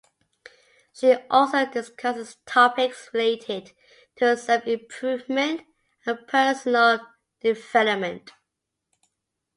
She also discusses topics related to self-improvement and personal development.